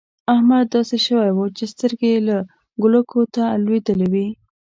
احمد داسې شوی وو چې سترګې يې کولکو ته لوېدلې وې.